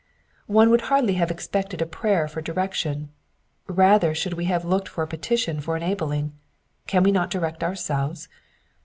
One would hardly have expected a prayer for direction ; rather should we have looked for a petition for enabling. Can we not direct ourselves?.